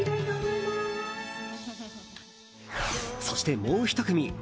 そして、もう１組。